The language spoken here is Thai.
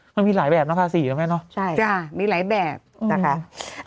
มันมีหลายแบบนะภาษีอ่ะไม่คะใช่ไงจะมีหลายแบบอืม